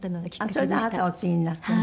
それであなたがお継ぎになったの？